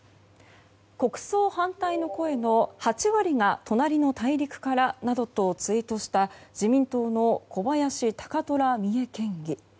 国葬反対の声の８割が隣の大陸からなどとツイートした自民党の小林貴虎三重県議。